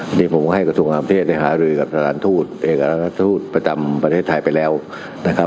อันนี้ผมให้กระทรวงอำเทศธรรมดิกับศาลทูตเอกรัฐศาสตร์ทูตประจำประเทศไทยไปแล้วนะครับ